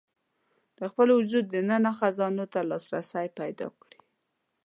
د خپل وجود دننه خزانو ته لاسرسی پيدا کړي.